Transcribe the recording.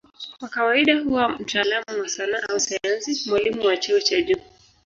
Kwa kawaida huwa mtaalamu wa sanaa au sayansi, mwalimu wa cheo cha juu.